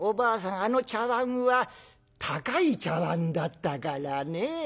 あの茶碗は高い茶碗だったからね。